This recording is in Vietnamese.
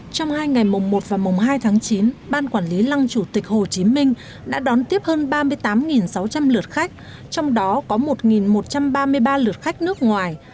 trong hai ngày mùng một và mùng hai tháng chín ban quản lý lăng chủ tịch hồ chí minh đã đón tiếp hơn ba mươi tám sáu trăm linh lượt khách trong đó có một một trăm ba mươi ba lượt khách nước ngoài